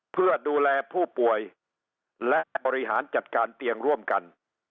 เพื่อดูแลผู้ป่วยและบริหารจัดการเตียงร่วมกัน